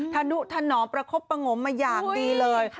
ธนุถนอมประคบประงมมาอย่างดีเลย